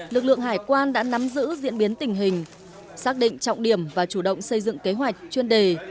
lực lượng hải quan đã nắm giữ diễn biến tình hình xác định trọng điểm và chủ động xây dựng kế hoạch chuyên đề